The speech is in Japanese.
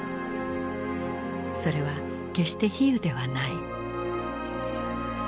それは決して比喩ではない。